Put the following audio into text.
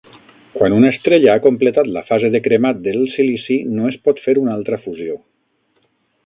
Quan una estrella ha completat la fase de cremat del silici no es pot fer una altra fusió.